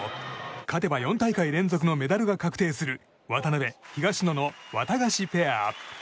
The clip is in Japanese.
勝てば４大会連続のメダルが確定する渡辺、東野のワタガシペア。